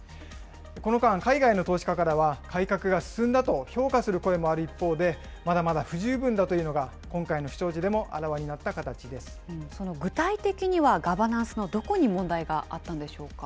この間、海外の投資家からは、改革が進んだという評価する声もある一方でまだまだ不十分だというのが今回の不祥具体的には、ガバナンスのどこに問題があったんでしょうか。